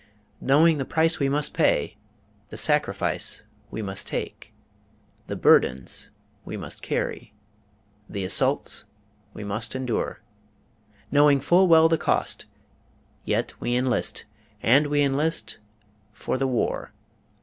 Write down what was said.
Knowing the price we must pay, | the sacrifice | we must make, | the burdens | we must carry, | the assaults | we must endure, | knowing full well the cost, | yet we enlist, and we enlist | for the war.